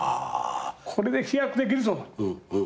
これで飛躍できるぞ！